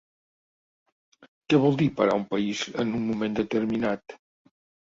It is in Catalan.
Què vol dir parar un país en un moment determinat?